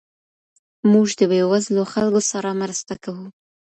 موږ د بېوزلو خلګو سره مرسته کوو.